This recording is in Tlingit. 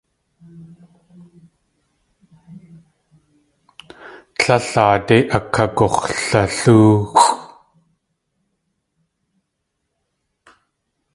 Tlél aadé akagux̲lalóoxʼ.